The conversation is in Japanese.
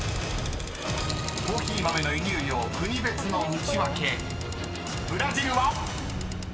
［コーヒー豆の輸入量国別のウチワケブラジルは⁉］